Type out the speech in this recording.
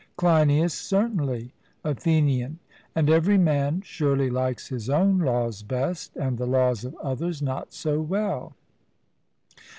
CLEINIAS: Certainly. ATHENIAN: And every man surely likes his own laws best, and the laws of others not so well.